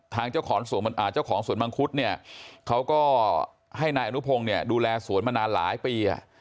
เจ้าของสวนมังคุดเนี่ยเขาก็ให้นายอนุพงศ์เนี่ยดูแลสวนมานานหลายปี